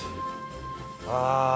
ああ。